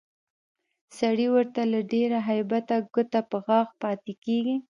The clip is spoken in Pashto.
سړی ورته له ډېره هیبته ګوته په غاښ پاتې کېږي